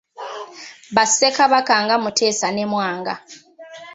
Ba ssekabaka nga Mutesa ne Mwanga.